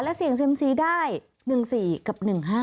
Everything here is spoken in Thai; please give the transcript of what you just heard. เสี่ยงเซ็มซีได้๑๔กับ๑๕